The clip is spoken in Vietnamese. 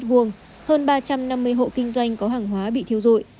hơn ba trăm năm mươi hộ kinh doanh có hàng hóa bị thiêu dụi